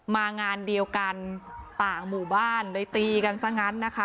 มางานเดียวกันต่างหมู่บ้านเลยตีกันซะงั้นนะคะ